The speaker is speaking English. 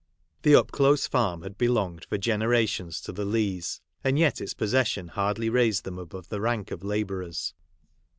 The Upclose Farm had belonged for gene rations to the Leighs ; and yet its possession hardly raised them above "the rank of la bourers.